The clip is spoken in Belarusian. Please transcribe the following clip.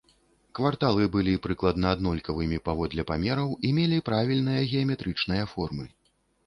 Кварталы былі прыкладна аднолькавымі паводле памераў і мелі правільныя геаметрычныя формы.